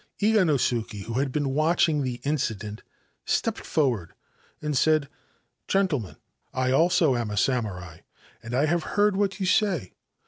Iganosuke, who had been watching the incident, stepped rward and said :* Gentlemen, I also am a samurai, and I have heard lat you say.